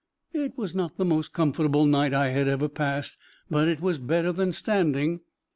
It was not the most comfortable night I had ever passed, but it was better than standing.